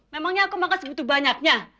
memangnya aku makan segitu banyaknya